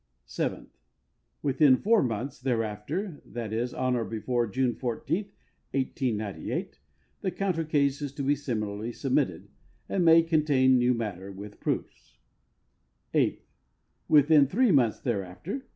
Seventh. Within four months thereafter, /. c, on or before June 14, 1898, the counter case is to be similarly submitted, and may contain new matter, with proofs. Eighth. Within three months thereafter